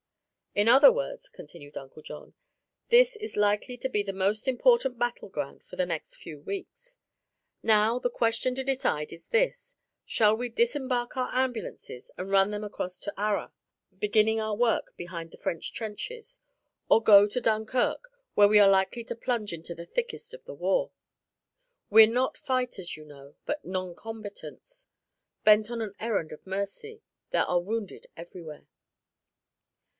"In other words," continued Uncle John, "this is likely to be the most important battleground for the next few weeks. Now, the question to decide is this: Shall we disembark our ambulances and run them across to Arras, beginning our work behind the French trenches, or go on to Dunkirk, where we are likely to plunge into the thickest of the war? We're not fighters, you know, but noncombatants, bent on an errand of mercy. There are wounded everywhere."